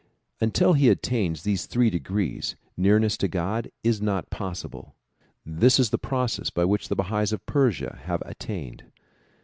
Until he attains these three degrees, nearness to God is not possible. This is the process by which the Bahais of Persia have attained.